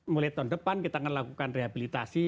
mulai tahun depan kita akan lakukan rehabilitasi